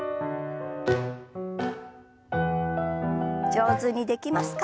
上手にできますか？